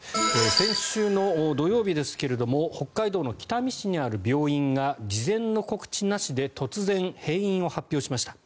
先週の土曜日ですけども北海道の北見市にある病院が事前の告知なしで突然、閉院を発表しました。